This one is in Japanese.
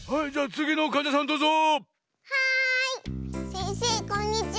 せんせいこんにちは。